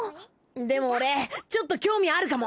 でも俺ちょっと興味あるかも。